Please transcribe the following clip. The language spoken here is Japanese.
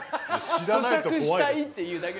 そしゃくしたいっていうだけ。